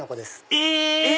え！